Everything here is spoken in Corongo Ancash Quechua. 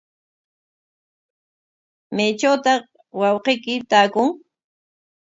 ¿Maytrawtaq wawqiyki taakun?